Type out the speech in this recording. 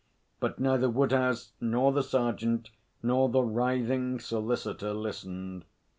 But neither Woodhouse nor the sergeant nor the writhing solicitor listened.